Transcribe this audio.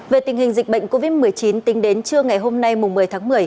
về tình hình dịch bệnh covid một mươi chín tính đến trưa ngày hôm nay một mươi tháng một mươi